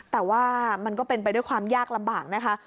แต่ว่ามันก็เป็นไปด้วยความยากลำบากนะคะ